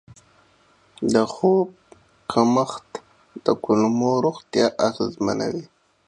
د خوب کمښت د کولمو روغتیا اغېزمنوي.